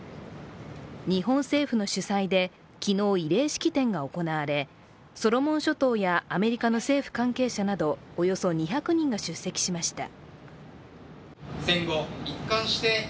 日本政府の主催で昨日、慰霊式典が行われソロモン諸島やアメリカの政府関係者などおよそ２００人が出席しました。